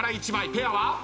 ペアは？